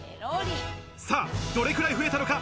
さぁどれくらい増えたのか？